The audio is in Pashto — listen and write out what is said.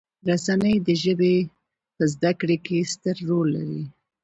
رسنۍ د ژبې په زده کړې کې ستر رول لري.